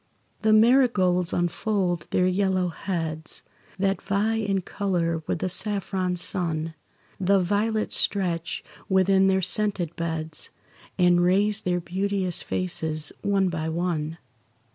The marigolds unfold their yellow heads, That vie in colour with the saffron sun; The violets stretch within their scented beds, And raise their beauteous faces, one by one.